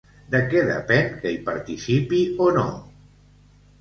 De què depèn que hi participi o no?